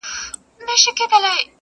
چي یې وکتل منګول ته خامتما سو -